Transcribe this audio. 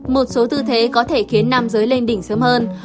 một số tư thế có thể khiến nam giới lên đỉnh sớm hơn